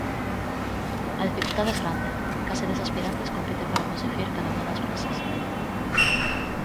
A dificultade é grande, case dez aspirantes compiten para conseguir cada unha das prazas.